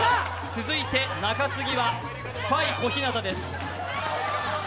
続いて中継ぎはスパイ・小日向です。